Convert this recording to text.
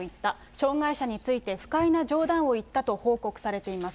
障害者について不快な冗談を言ったと報告されています。